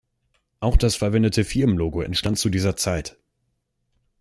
Auch das verwendete Firmenlogo entstand zu dieser Zeit.